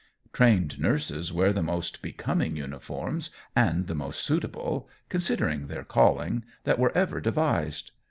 Trained nurses wear the most becoming uniforms, and the most suitable, considering their calling, that were ever devised.